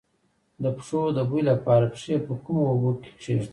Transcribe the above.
د پښو د بوی لپاره پښې په کومو اوبو کې کیږدم؟